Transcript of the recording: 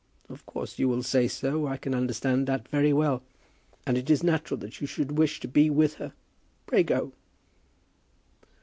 "Of course you will say so. I can understand that very well. And it is natural that you should wish to be with her. Pray go."